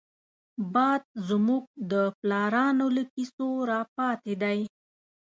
باد زمونږ د پلارانو له کيسو راپاتې دی